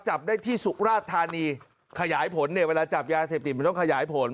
จับได้ที่สุราชธานีขยายผลเนี่ยเวลาจับยาเสพติดมันต้องขยายผล